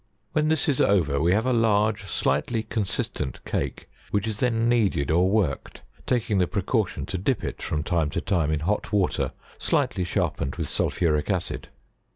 When this is over, we have a large slightly consis tent cake which is then kneaded or worked, taking the precaution to dip it, from time to time in hot water slightly sharpened with sul phuric acid.